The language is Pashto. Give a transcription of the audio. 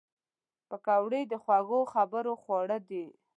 پکورې د خوږو خبرو خواړه دي